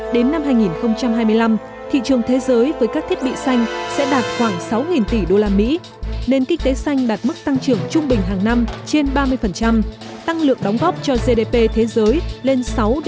đến năm hai nghìn hai mươi năm thị trường thế giới với các thiết bị xanh sẽ đạt khoảng sáu tỷ usd nên kinh tế xanh đạt mức tăng trưởng trung bình hàng năm trên ba mươi tăng lượng đóng góp cho gdp thế giới lên sáu năm